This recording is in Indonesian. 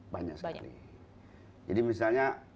banyak sekali jadi misalnya